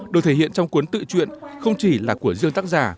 được thể hiện trong cuốn tự chuyện không chỉ là của riêng tác giả